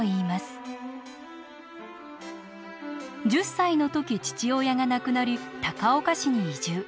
１０歳の時父親が亡くなり高岡市に移住。